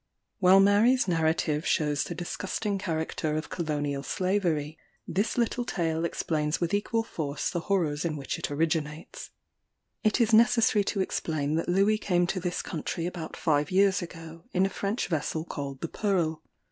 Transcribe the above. While Mary's narrative shews the disgusting character of colonial slavery, this little tale explains with equal force the horrors in which it originates. It is necessary to explain that Louis came to this country about five years ago, in a French vessel called the Pearl.